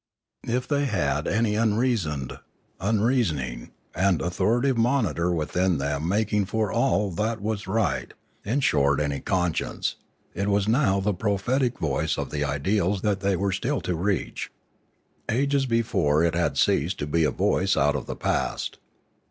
If they had any unreasoned, unreasoning, and au thoritative monitor within them making for all that was right, in short any conscience, it was now the prophetic voice of the ideals that they were still to reach. Ages before it had ceased to be a voice out of the past.